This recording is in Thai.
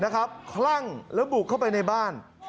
คลั่งแล้วบุกเข้าไปในบ้าน